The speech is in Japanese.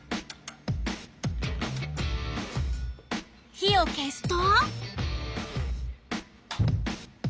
火を消すと。